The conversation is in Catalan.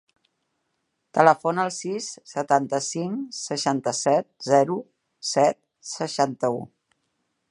Telefona al sis, setanta-cinc, seixanta-set, zero, set, seixanta-u.